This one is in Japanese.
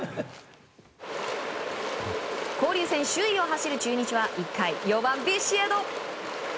交流戦首位を走る中日は１回４番、ビシエド。